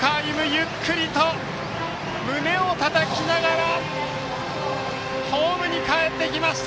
ゆっくりと胸をたたきながらホームにかえってきました！